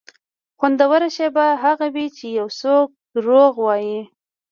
خوندوره شېبه هغه وي چې یو څوک دروغ وایي.